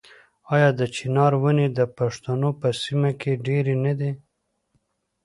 آیا د چنار ونې د پښتنو په سیمو کې ډیرې نه دي؟